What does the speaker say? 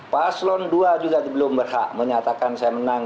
paslon dua juga belum berhak menyatakan saya menang